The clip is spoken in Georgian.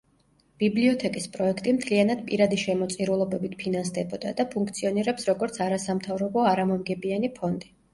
ბიბლიოთეკის პროექტი მთლიანად პირადი შემოწირულობებით ფინანსდებოდა და ფუნქციონირებს როგორც არასამთავრობო არამომგებიანი ფონდი.